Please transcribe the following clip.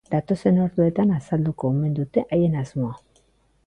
Datozen orduetan azalduko omen duten haien asmoa.